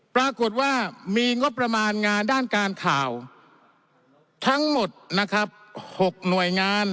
ปรากฏว่ามีงบประมาณงานด้านการข่าวทั้งหมดนะครับ๖หน่วยงาน